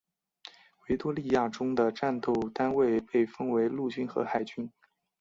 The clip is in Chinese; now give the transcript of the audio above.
维多利亚中的战斗单位被分为陆军和海军。